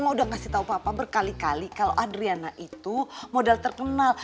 mama tuh udah mau kasih tau papa berkali kali kalau adriana itu modal terkenal